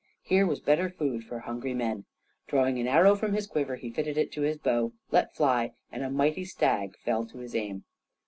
Here was better food for hungry men. Drawing an arrow from his quiver, he fitted it to his bow, let fly, and a mighty stag fell to his aim.